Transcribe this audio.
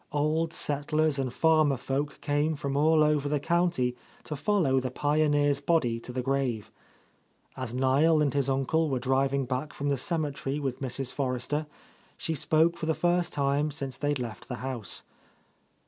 Old settlers and farmer folk came from all over the county to follow the pioneer's body to the grave. As Niel and his uncle were driving back from the cemetery with Mrs. Forrester, she spoke for the first time since they had left the house.